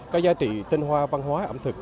cái giá trị tên hoa văn hóa ẩm thực